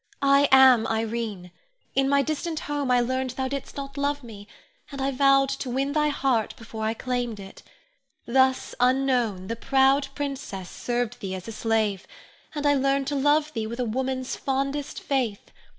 I am Irene. In my distant home I learned thou didst not love me, and I vowed to win thy heart before I claimed it. Thus, unknown, the proud princess served thee as a slave, and learned to love thee with a woman's fondest faith.